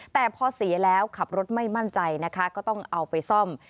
แต่พอเสียแล้วขับรถไม่มั่นใจนะคะก็ต้องเอาไปซ่อม